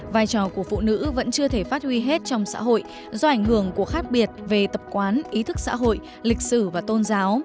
vai trò của phụ nữ vẫn chưa thể phát huy hết trong xã hội do ảnh hưởng của khác biệt về tập quán ý thức xã hội lịch sử và tôn giáo